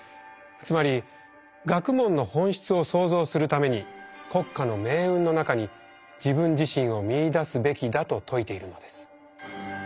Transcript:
つまり学問の本質を創造するために国家の命運の中に自分自身を見いだすべきだと説いているのです。